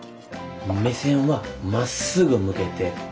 目線はまっすぐ向けて。